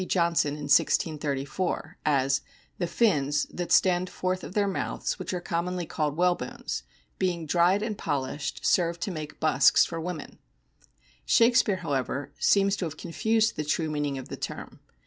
Johnson (in 1634) as "the finnes that stand forth of their mouths, which are commonly called whalebones, being dried and polished, serve to make buskes for women." Shakespeare, however, seems to have confused the true meaning of the term.